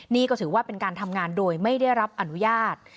นี่ก็ถือว่าเป็นการทำงานโดยไม่ได้รับอนุญาต